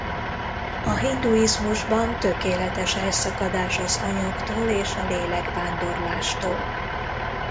A hinduizmusban tökéletes elszakadás az anyagtól és a lélekvándorlástól.